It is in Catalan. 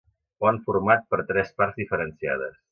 Pont format per tres parts diferenciades.